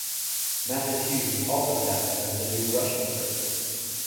Matthias Hues was also cast as the new Russian character.